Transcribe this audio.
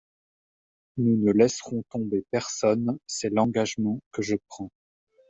Nous ne laisserons tomber personne, c’est l’engagement que je prends.